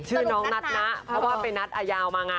ชื่อน้องนัทนะเพราะว่าไปนัดอายาวมาไง